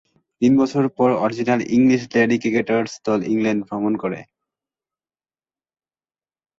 তিন বছর পর অরিজিনাল ইংলিশ লেডি ক্রিকেটার্স দল ইংল্যান্ডে ভ্রমণ করে।